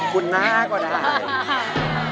คุณน้าก็ได้